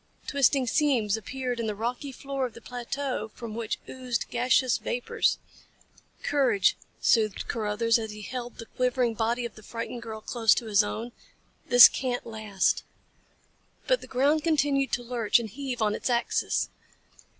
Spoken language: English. Twisting seams appeared in the rocky floor of the plateau from which oozed gaseous vapors. "Courage," soothed Carruthers as he held the quivering body of the frightened girl close to his own. "This can't last." But the ground continued to lurch and heave on its axis.